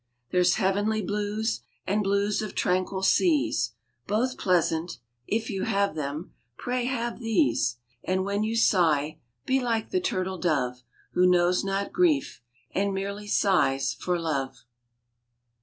There s Heavenly blues, and blues of tranquil seas, Both pleasant if you have them, pray have these ; And when you sigh, be like the turtle dove, Who knows not grief, and merely sighs for love.